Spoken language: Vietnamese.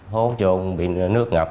hố trôn bị nước ngập